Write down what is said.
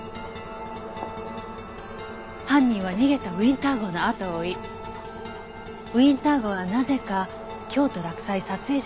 犯人は逃げたウィンター号のあとを追いウィンター号はなぜか京都洛西撮影所に向かった。